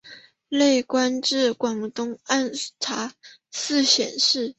累官至广东按察司佥事。